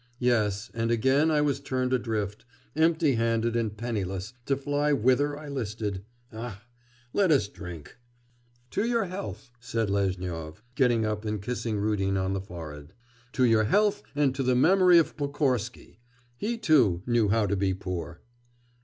'Yes, and again I was turned adrift, empty handed and penniless, to fly whither I listed. Ah! let us drink!' 'To your health!' said Lezhnyov, getting up and kissing Rudin on the forehead. 'To your health and to the memory of Pokorsky. He, too, knew how to be poor.